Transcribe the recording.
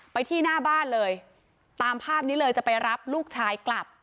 ไปที่หน้าบ้านเลยตามภาพนี้เลยจะไปรับลูกชายกลับ